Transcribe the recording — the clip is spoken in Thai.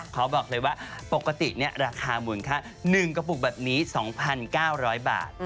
ขอบอกเลยว่าปกติราคามูลค่า๑กระปุกแบบนี้๒๙๐๐บาท